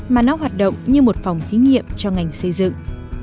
mà nó hoạt động như một phòng thí nghiệm cho ngành xây dựng